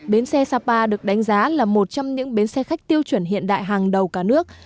bến xe sapa được đánh giá là một trong những bến xe khách tiêu chuẩn hiện đại hàng đầu cả nước